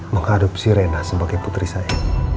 mengadopsi rena sebagai putri saya